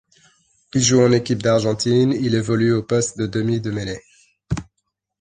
Il joue en équipe d'Argentine, il évolue au poste de demi de mêlée.